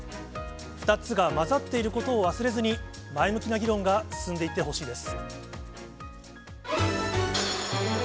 ２つが混ざっていることを忘れずに、前向きな議論が進んでいってほしいです。